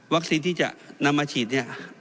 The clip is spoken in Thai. วัคซีนที่จะนำมาฉีดเนี่ย